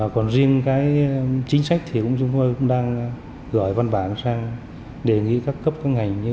còn riêng cái chính sách thì chúng tôi cũng đang gửi văn bản sang đề nghị các cấp các ngành như